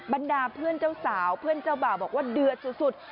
บรรดาเพื่อนเจ้าสาวเพื่อนเจ้าบ่าวบอกว่าเดือดสุด